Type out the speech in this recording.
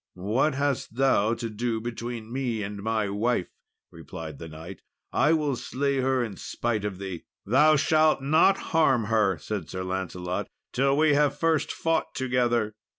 "What hast thou to do between me and my wife?" replied the knight. "I will slay her in spite of thee." "Thou shall not harm her," said Sir Lancelot, "till we have first fought together."